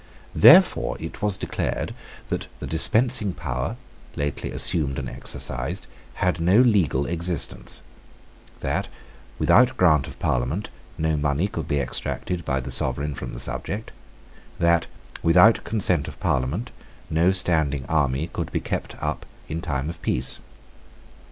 Therefore it was declared that the dispensing power, lately assumed and exercised, had no legal existence; that, without grant of Parliament, no money could be exacted by the sovereign from the subject; that, without consent of Parliament, no standing army could be kept up in time of peace.